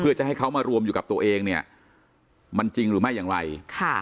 เพื่อจะให้เขามารวมอยู่กับตัวเองเนี่ยมันจริงหรือไม่อย่างไรค่ะ